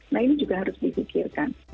nah ini juga harus dipikirkan